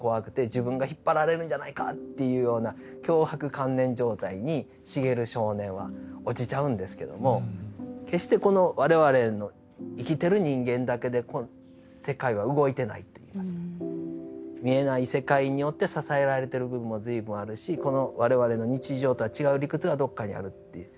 自分がひっぱられるんじゃないかっていうような強迫観念状態に茂少年は落ちちゃうんですけども決してこの我々の生きてる人間だけで世界は動いてないといいますか見えない世界によって支えられてる部分も随分あるしこの我々の日常とは違う理屈がどっかにあるっていう。